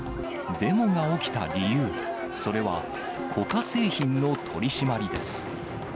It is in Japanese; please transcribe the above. デモが起きた理由、それは、コカ製品の取締りです。